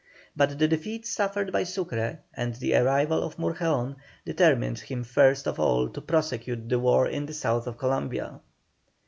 But the defeat suffered by Sucre, and the arrival of Murgeón, determined him first of all to prosecute the war in the south of Columbia.